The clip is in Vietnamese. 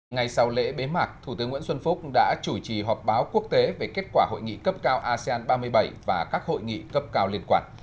ngay sau lễ bế mạc thủ tướng nguyễn xuân phúc đã chủ trì họp báo quốc tế về kết quả hội nghị cấp cao asean ba mươi bảy và các hội nghị cấp cao liên quan